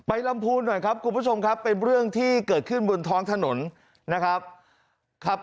ไปลำภูอิหนะครับกลุ่มชมครับเป็นเรื่องที่ที่เกิดขึ้นอยู่ท้องถนนนะครับ